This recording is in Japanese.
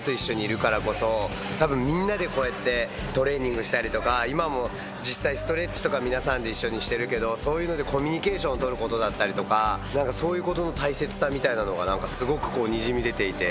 みんなでこうやってトレーニングしたりとか今も実際ストレッチとか皆さんで一緒にしてるけどそういうのでコミュニケーションを取ることだったりとかそういうことの大切さみたいなのがすごくにじみ出ていて。